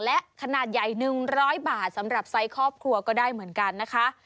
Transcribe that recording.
และขนาดใหญ่๑๐๐บาทสำหรับไซส์ครอบครัวก็ได้เหมือนกันนะคะ